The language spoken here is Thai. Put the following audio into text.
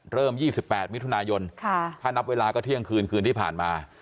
เริ่ม๒๘มิถุนายนถ้านับเวลาก็เที่ยงคืนคืนที่ผ่านมา